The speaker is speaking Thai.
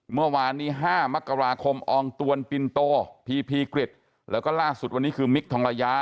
เมื่อวานนี้๕มกราคมอองตวนปินโตพีพีกริจแล้วก็ล่าสุดวันนี้คือมิคทองระยะ